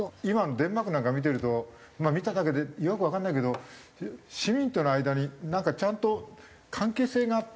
今のデンマークなんか見てると見ただけでよくわかんないけど市民との間になんかちゃんと関係性が。